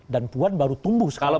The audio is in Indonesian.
dan puan baru tumbuh sekali sekali